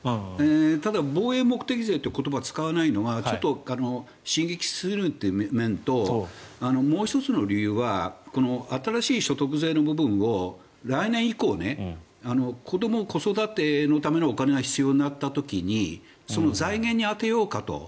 ただ、防衛目的税という言葉を使わないのはちょっと刺激するという面ともう１つの理由は新しい所得税の部分を来年以降、子ども子育てのお金が必要になった時に財源に充てようかと。